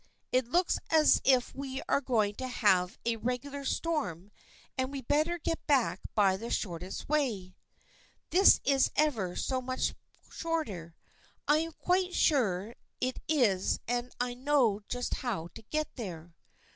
It looks as if we were going to have a regular storm and we had better get back by the shortest way." " This is ever so much shorter. I am quite sure it is and I know just how to get there.